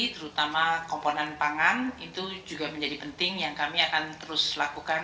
terutama komponen pangan itu juga menjadi penting yang kami akan terus lakukan